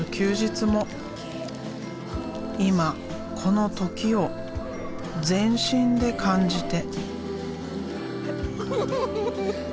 今この時を全身で感じて。